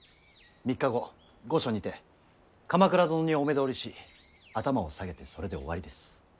３日後御所にて鎌倉殿にお目通りし頭を下げてそれで終わりです。